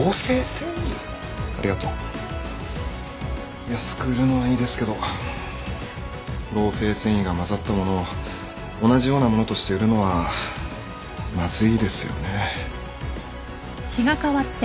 ありがとう。安く売るのはいいですけど合成繊維が混ざったものを同じようなものとして売るのはまずいですよね。